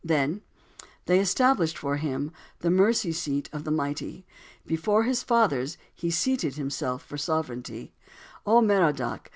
Then:— "They established for him the mercy seat of the mighty." "Before his fathers he seated himself for sovereignty." "O Merodach!